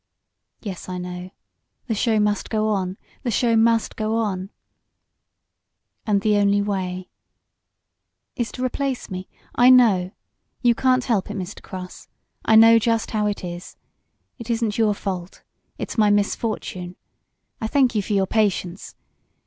"Yes, I know. The show must go on the show must go on."' "And the only way " "Is to replace me. I know. You can't help it, Mr. Cross. I know just how it is. It isn't your fault it's my misfortune. I thank you for your patience.